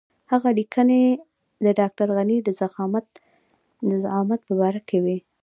هغه لیکنې د ډاکټر غني د زعامت په باره کې وې.